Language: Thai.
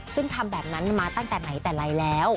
ซึ่งทำแบบนั้นมาตั้งแต่ไหนแต่ไรแล้ว